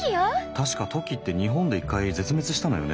確かトキって日本で一回絶滅したのよね。